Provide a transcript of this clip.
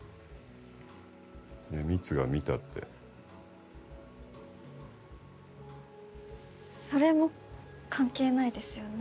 ミツが見たってそれも関係ないですよね？